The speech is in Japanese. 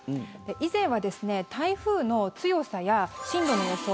以前は台風の強さや進路の予想